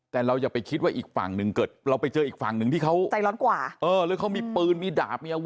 แต่เราจะไปคิดว่าอีกฝั่งนึงเกิด